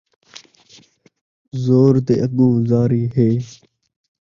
زور دے اڳوں زاری ہے